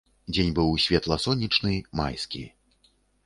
Дзень быў светла-сонечны, майскі.